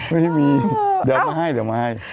ไม่มีเดี๋ยวมาให้